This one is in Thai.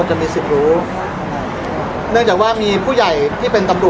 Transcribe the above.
พี่แจงในประเด็นที่เกี่ยวข้องกับความผิดที่ถูกเกาหา